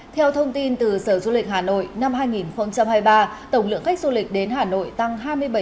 theo thông tin từ sở du lịch hà nội năm hai nghìn hai mươi ba tổng lượng khách du lịch đến hà nội tăng hai mươi bảy